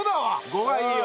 ５がいいよ。